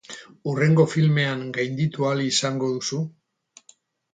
Hurrengo filmean gainditu ahal izango duzu?